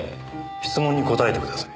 質問に答えてください。